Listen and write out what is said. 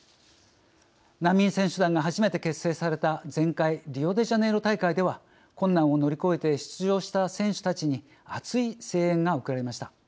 難民選手団が初めて結成された前回、リオデジャネイロ大会では困難を乗り越えて出場した選手たちに熱い声援が送られました。